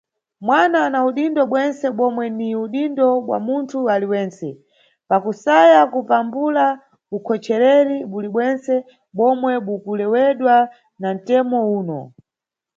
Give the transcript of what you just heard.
Mwana ana udindo bwentse bomwe ni udindo bwa munthu aliwentse, pakusaya kupambula ukhochereri bulibwentse bomwe bukulewedwa na ntemo uno.